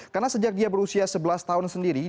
karena sejak dia berusia sebelas tahun sendiri